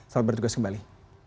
salam bertugas kembali